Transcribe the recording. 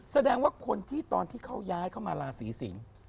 แสดงว่าคนที่ตอนที่เขาย้ายเข้ามาราศีสิงศ์